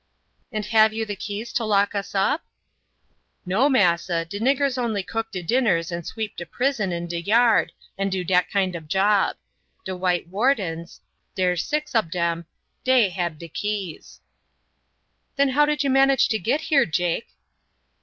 "And have you the keys to lock us up?" "No, massa, de niggers only cook de dinners and sweep de prison and de yard, and do dat kind ob job; de white wardens dere's six ob dem dey hab de keys." "Then how did you manage to get here, Jake?"